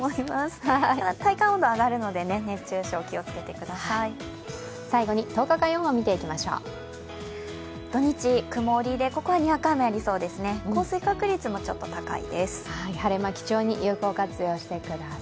ただ体感温度が上がるので熱中症、気をつけてください。